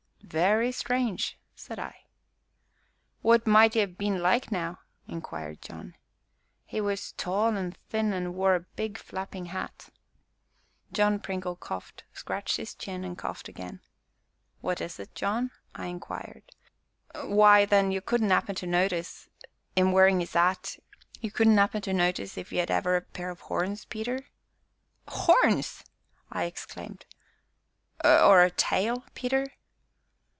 "Very strange!" said I. "What might 'e 'ave been like, now?" inquired John. "He was tall and thin, and wore a big flapping hat." John Pringle coughed, scratched his chin, and coughed again. "What is it, John?" I inquired. "Why, then, you couldn't 'appen to notice 'im wearin' 'is 'at you couldn't 'appen to notice if 'e 'ad ever a pair o' 'orns, Peter?" "Horns!" I exclaimed. "Or a tail, Peter?"